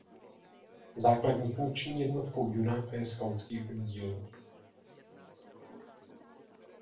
Základní funkční jednotkou Junáka je skautský oddíl.